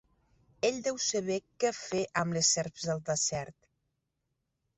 Ell deu saber què fer amb les serps del desert.